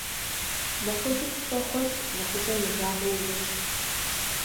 Нэхъыжьым пщӀэ хуэщӀ, нэхъыщӀэм и жагъуэ умыщӀ.